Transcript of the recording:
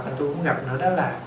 mình cũng gặp nữa đó là